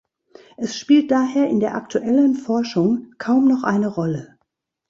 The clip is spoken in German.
Es spielt daher in der aktuellen Forschung kaum noch eine Rolle.